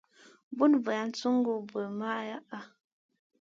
Bùn vulan sungu birim maʼh.